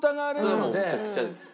それはもうむちゃくちゃです。